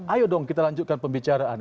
ayo dong kita lanjutkan pembicaraan